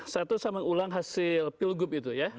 satu saya mengulang hasil pilgub itu ya